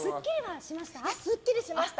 すっきりしました。